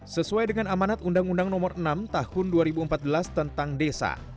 sesuai dengan amanat undang undang nomor enam tahun dua ribu empat belas tentang desa